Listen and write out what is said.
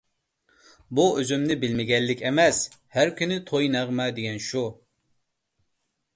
بۇ ئۆزۈمنى بىلمىگەنلىك ئەمەس، ھەر كۈنى توي - نەغمە دېگەن شۇ.